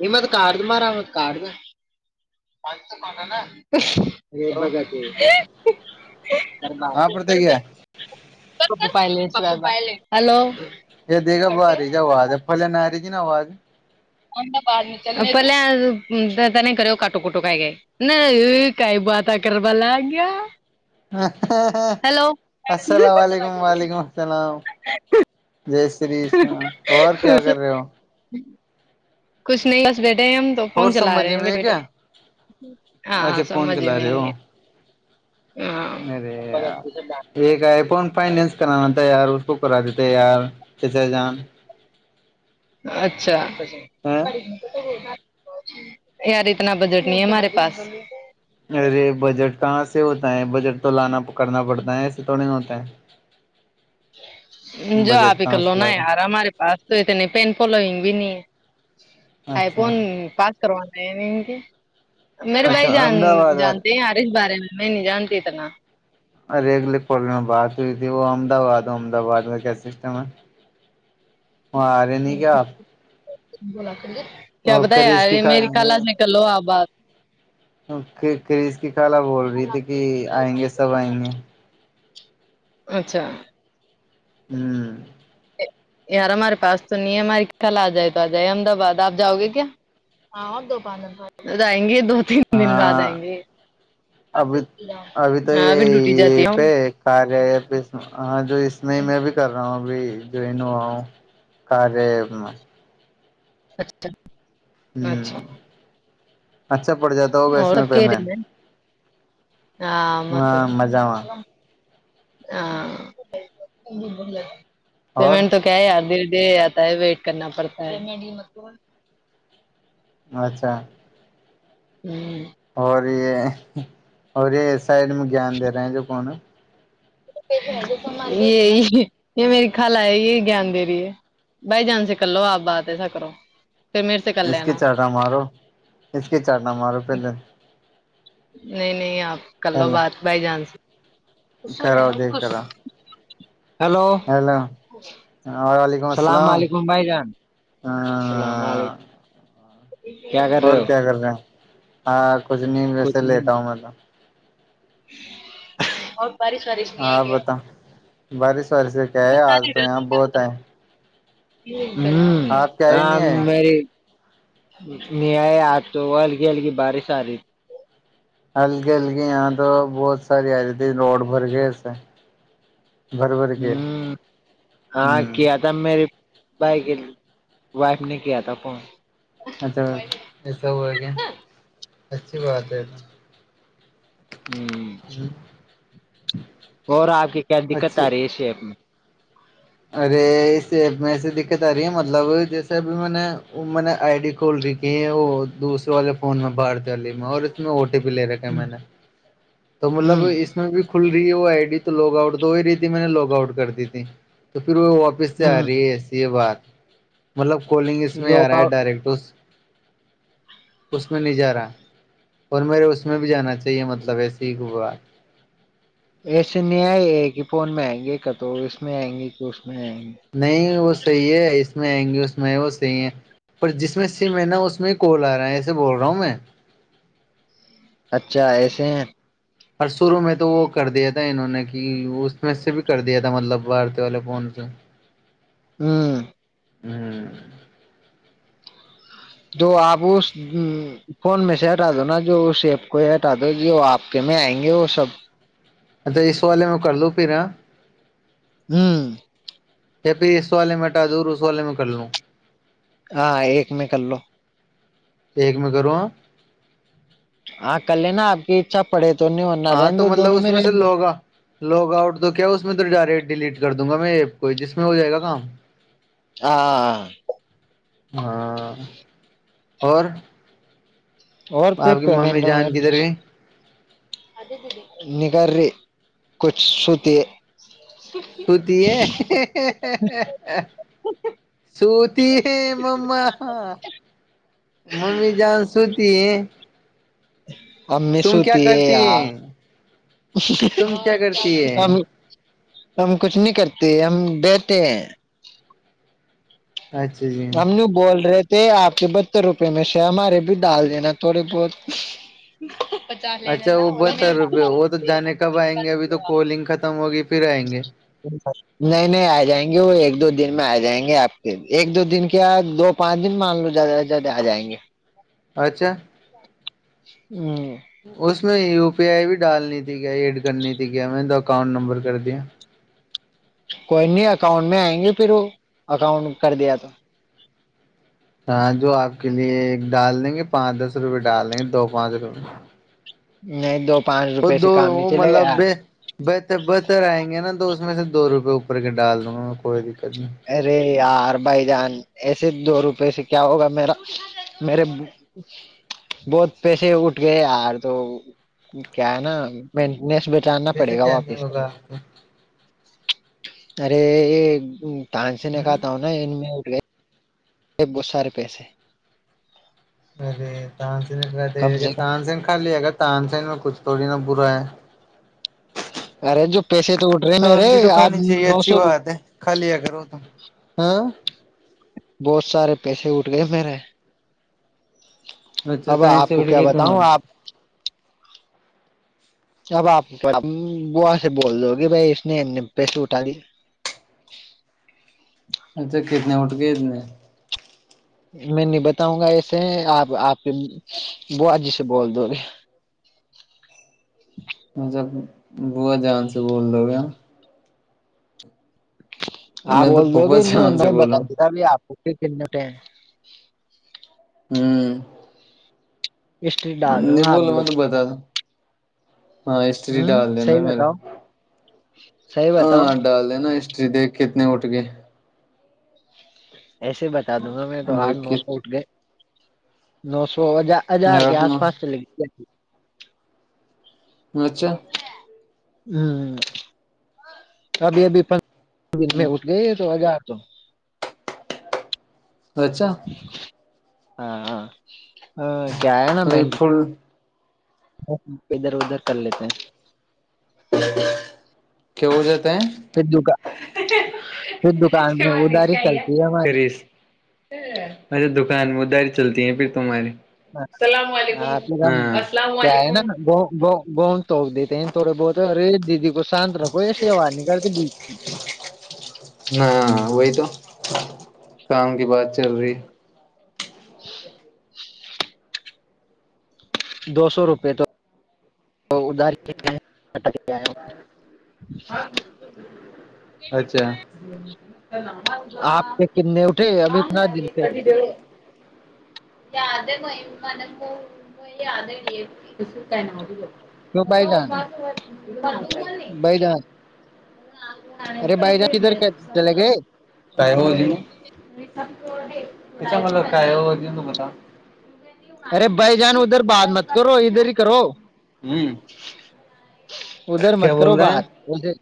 یہ تو کارد مارا بچ تو کاناا نا بگا تو خرے کر ہیلو یہ دیکھا ب آ رہی جی آواز ہے پھلے نہ آ رہی تھی نا آواز اد میں پہے نہیں کرے کٹو کٹو کائے گئے نہیں کئی بات کر لگ گیا السلام علیکم وعلیکم السلام جی شری س اور کیا کر رہے ہو کچھ نہیں بس بیٹھے ہیں ہم تو اور پن سب چلا رہے مزے ہیں میں ہے بیٹے بیٹے کیا ہاں اچھا فون سمجھ چلا رہے میں ہو ہے ارے ایک آئی فون فائنس کرانا تھا یار اس کو کرا دیتے یار کیسے جان اچھا یار اتنا بجٹ نہیں ہے ہمارے پاس ارے بجٹ کہاں سے ہوتا ہے بجٹ تو لانا کرنا پڑتا ہے ایسے تو نہیں ہوتا ہے جو آپ بجٹ ہیک کہاں لو سے نا لاؤ یار ہمارے پس تونے پین پل بھی نہیں آ اچھا پن کروانا ہے نہیں میرے بھائی اچھا جان احمد آباد جانتے ہیں یار اس بارے میں نہیں نہیں جانتی اتنا ارےگلے پ میں بات ہوئی تھی وہ امدباد ہو احمد آباد میں کیا سسٹم ہے [unintelligible] وہاں آ رہے نہیں کیا آپ کیا اور بتا کریز یار کی میری کال سے کلو آپ بات کریس کی کال بول رہی تھی کہ آئیں گے سب آئیں گے اچھا [unintelligible] یار ہمارے پاس تو نہیں ہے ہماری خل آ جائے تو آ جائے احمدآباد آپ جاؤ گے کیا ہاں دوانئیں گے دو تین دن بعد ہاں آئیں گے ابھی ہاں ابھی ڈوٹی جاتی ہ سار ہاں جو اس میں ہی میں بھی کر رہا ہوں اب جوائن ہوا ہوں کارے اچھا ہوں اچھا اچھا پڑ جاتا ہو گی اس اور میں سب کہہ پیمنٹ رہے ہیں ہاں م ہاں مزہ میں ہاں اور پیمٹ تو کیا یا د دے آتا ہے ویٹ کرنا پڑتا ہے اچھا [inaudible] اور یہ اور یہ سائڈ میں گان دے رہے ہیں جو کون ہے یہ یہ میری خل آ ہے یہی گان دے رہی ہے بائی جان سے کلو آپ باتتے ہے س کرو پھر میرے سے کر اس کے لینا چٹنا مارو اس کے چٹنا مارو پہلے نہیں نہیں آپ کر لو بات بائی چانس کرا دے کرا ہیلو وعلیکم اللام السلام علیکم بھائی جان السلام علیکم کیا کر رہے اور ہو کیا رہے ہاں کچھ نہیں ویسے لیتا آوں میں تو اور بارش وارش نہیں ہاں کیا بتاؤ بارش وارش سے کیا ہے آج تو یہاں بہت آئے ہوں آپ کیا آ ہی نہیں آئے مری ن آ تو ہلگ اللگ بارس آاری ہلکی ہلکی یہاں تو بہت ساری آ رہی تھی روڈ بھر گئے اسسے بھر بھر تھی کے ہوں تب میرے بھائی کے وائف نے کیا تھا فون اچھا یہسا ہو کہ اچھی بات ہے تو ہ [inaudible] اور آ کے کیا دقت اچھی آ رہی ہے شیپ میں ارے اس ایپ میں ای دقت آ رہی ہے مطلب جیسے اب میں نے نے آئی ڈی کھول رہیھی ہے وہ دوسرے والے فون میں باہار دی والی میں اور اس میں او ٹی پی لے رکھے ہے میں نے تو مطلب ہ میں بھی کھل رہی ہے وہ آئی ڈی تو لاگ آؤٹ تو ہو ہی رہی تھی میں نے لاگ آؤٹ کر دی تھی تو پھر وہ واپ سے ہ آ ہ رہی ہے ایسی یہ بات مطلب کالنگ اس میں آ رہا یوگا ہے ڈائریکٹ اس میں نہیں جا رہا اور میرے اس میں بھی جانا چاہیے مطلب ایسے ہیار ایسے نہیں آئے یہ کہ فون م آئن گے کا تو اس میں آئیں گے کہ اس میں آئیں گے نہیں وہ صحیح ہے اس میں آئیں گی اس میں وہ صحیح ہے پر جس میں سے میں نا اس میں کال آ رہا ہے ایسے بول رہا ہوں میں اچھا ایسے ہیں اور شروع میں تو وہ کر دیا تھا انہوں نے کہ اس میں سے بھی کر دیا تھا مطلب بارتے والے فون سے ہوں ہوں [inaudible] دو آب [inaudible] فون میں سے ہٹا دو نا جو اس ایپ کو ہی ہٹا دو جو آپ کے میں آئیں گے وہ سب اچھا اس والے میں کر لوں پھر ہوں پھر اس س والے مٹا دور اس والے میں کر لوں ہاں ایک میں کر لو ایک میں کروں ہ ہاں کل لےینا آپ کی اچھا پڑے تو نہیں ورننا رہ ہاں دو تو مطلب دونوں اس میں رہ سے دو لوگا لوگ آؤٹ تو کیا اس میں تو ڈائریکٹ ڈیلیٹ کر دوں گا میں ایپ کو ہی جس میں ہو جائے گا کام ہاں ہاں اور اور پھر آپ کی ممی پیمنٹ جان ویمٹ کدھر گئی نگار ر کچ سو ت سوتی ہے سوتی ہے مم مممی جان سوتی ہے امی تم کیا سوتی کرتی ا ہے تم کیا کرتی آ ہے [inaudible] ہم کچھ نہیں کرتے ہم بتے ہیں اچھا جی ہم نہیں بول رہے تھے آپ کے بتر روپے میں سے ہمارے بھی ڈال دینا تھوڑے بہت اچھا ا بہتر روپئے وہ تو جانے کب آئیں گے ابھی تو کولنگ ختم ہوگی پھر آئیں گے [inaudible] نہیں نہیں آ جائیں گے وہ ایک دو دن میں آ جائیں گے آپ کے ایک دو دن کے دو پانچ دن مان لو جیادہ سے جلدہ آ جائیں گے اچھا ہوں اس میں یو پی آئی بھی ڈالنی تھی کیایا ایڈ کرنی تھی کیایا میں نے تو اکاؤنٹ نمبر کر دیا کوئی نہیں اکاؤنٹ میں آئیں گے پھر وہ اکاؤنٹ کر دیا تو ہاں جو آپ کے لیے ایک ڈال دیں گے پانچ دس روپئے ڈال دیں گے دو پانچ روپے نہیں تو وہ دو وہ مطلب بھی بہتر بہتر آئیں گے نا تو اس میں سے دو روپے اوپر کے ڈال دوں گا میں کوئی دقت نہیں ارے یار بھائی جان ایسے دو روپے سے کیا ہوگا میرا میرے بہت پیسے اٹھ گئے ار تو کیا ہے نا مینٹینس جاننا کیسے پڑے گا کیا نہیں واپس ہوگا آپ کو ارے تان سے نے ہ کہتا ہوں نا میں ایا ا وہت سارے پیسے ہیں ارے تان کم سے تان سین ک خال لیا گا تان سین میں کچھ تھوڑی نا برا ہے ارے جو پیسے تو اٹھ رہے میرے سانجی تو آج کھانی چاہیے نو اچھی سو بات ہے کھا لیا کرو تو ہاں بہت سارے پیسے اٹھ گئے میرے بچے اب کہیں آپ سے کو اٹھ کیا گئے بتاؤں تمہارے آپ اب آپاں سے بول دو گے بھائی اس نےنے پیسے اٹھا دی اچھا کتنے اٹھ گ اتنے میں نہیں بتاؤں گا ایسے ہیں آپ آپ کے ب جی سے بول دو گے جب بووا جان سے بول رہ ہو گیا آپ میں تو بول دو پھوپا گے جان سے نہیں بولا بتا ہوں دیتا آپ کو کتنے ٹ ہیں ہوں ہسٹری ڈال دوں نہیں گا آپ بول میں بولو تو بتا دو ہاں استری ہوں ڈال دینا صحیح م بتاؤ صحیح بتاؤ ہاں ڈال دینا ہسٹری دیکھ کے اتنے اٹھ گئے ایسے بتا دوں گا میں تو آٹھ دیکھ نو کے سو اٹھ گئے نو سو وجہ ہزار کے آٹھ آس نو پاس چل اچھا ہ ابھی ابھی پ میں اٹھ گئی تو و گا تو اچھا ہاں ہ کیا ہے نا مڈ ب ادھر ادھر کر لیتے ہیں کیا بول جاتے ہیں پھر دکان پھر دکان میں اداری چلتی ہے ہماری اچھا دکان میں داری چلتی ہیں پھر تمہاری السلام ہاں علیکم آپ کام ہاں السلام کیا ہے علیکم نا گ گ گ توک دیتے ہیں تھوڑے بہت ارے دیدی کو شانت رکھو سیا نہیں کرتے ب نہ وہی تو کام کی بات چل رہی ہے ج دو سو روپے تو تو ادھار اچھا نام آب آپ کے کتنے اٹھے ابھی ہاں پندرہ دن ک سے [unintelligible] زیادہ بئی مان کو [inaudible] [unintelligible] وہ یہ آدر ہی ہے کانا بھیا کیوں بھائی جان [unintelligible] بھائی جان ارے بائی جا کدھر کیا چلا گئے کا ہو جی مل کا ہے ہو د بتا ارے بھائی جان ادھر بد مت کرو ادھر ہی کرو ادھر مت کیا کرو بول رہے ہیں بات وسے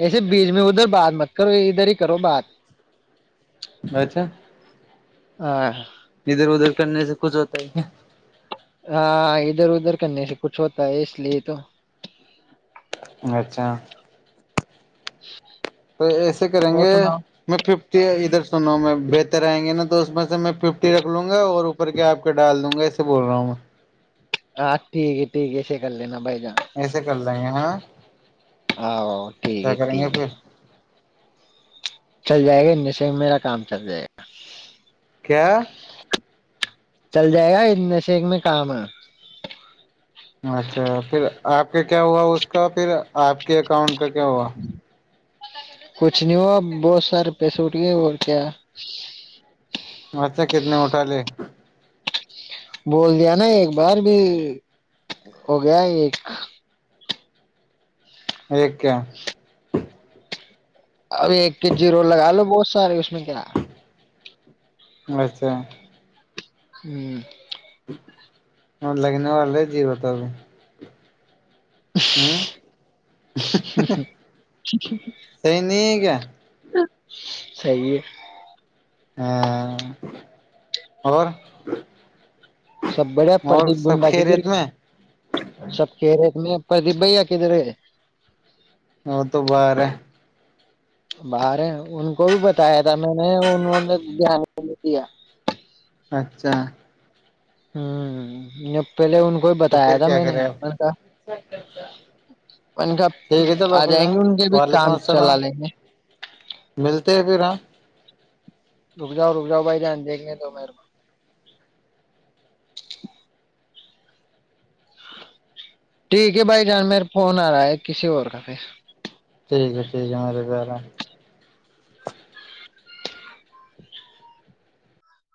ایسے بیچ میں ادھر بعات مت کرو ادھر ہی کرو بات اچھا ہاں ادھر ادھر کرنے سے کچھ ہوتا ہی ہے ہاں ادھر ادھر کرنے سے کچھ ہوتا ہے اس لیے تو اچھا ہ [inaudible] [unintelligible] تو ایسے کریں گے میں ففٹی ادھر سنو میں بہتر آئیں گے نا تو اس میں سے میں ففٹی رکھ لوں گا اور کیا آپ ڈال دوں گا اسے بول رہا ہوں میں ہاں ٹھیک ہے ٹھیک ہے اسے کر لینا بھائی جان ایسے کر لیں گے ہاں آ آ ٹھیک کیا ہے کریں ٹھیک گے ہے پھر [inaudible] چل جائے گا نیچے میرا کام چل جائے گا کیا چل جائے گا نش ایک میں کام ہے اچھا پھر آپ کے کیا ہوا اس کا پھر آپ کے اکاؤنٹ کا کیا ہوا کچھ نہیں ہوا بہت سارے پیسے اٹھ گئے اور کیا اچھا کتنے مٹالے بول دیا نا ایک بار بھی ہو گیا ہے ایک ایکیک کیا [unintelligible] اب ایک کے جی رول لگا لو بہت سارے اس میں کیا نا اچھا ہوں [inaudible] اور لگ نہیں وال رہے جی ہو توب [inaudible] ہ ہ صحیح نہیں ہے کیا [inaudible] صحی ہے ہاں اور سب بڑیا اور پردیپ سب گنڈا کدھر خیریت گ میں سب کہ رے میں پردیپ بھیا کدھر ہے [inaudible] ا تو ب رہ [inaudible] باہر ہیں ان کو بھی بتایا تھا میں نے انہوں نے دھیان نہیں دیا اچھا ہ پہلے ان کو ہی تو بتایا پھر تھا کیا میں نے کرے آپ ٹھیک ان کا ہے چلو آ پھر جائیں ہاں گے ان کے بھی وعلیکم کام چلا السلام لیں گے ملتے ہیں پھر ہاں رک جا رک جا بھائی دھیان دھنے دو تو میرے کو [unintelligible] ٹھیک ہے بھائی جان میر فون آ رہا ہے کسی اور کا پھر ٹھیک ہے ٹھیک ہے مارےار [inaudible] [inaudible]